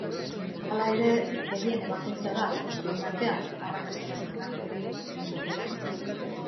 Hala ere, begien ebakuntza da guztien artean arrakastatsuena.